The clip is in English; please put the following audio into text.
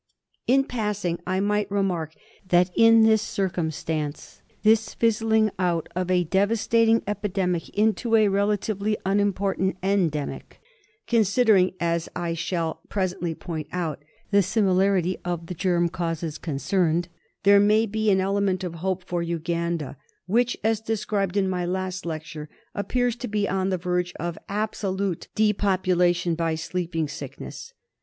In passing I might remark that in this circum stance this fizzling out of a devastating epidemic into a relatively unimportant endemic, considering, as I shall presently point out, the similarity of the germ causes concerned, there may be an element of hope for Uganda, which, as described in my last lecture, appears to be on the verge of absolute depopulation by Sleeping Sickness.